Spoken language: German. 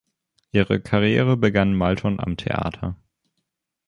Ihre Karriere begann Malton am Theater.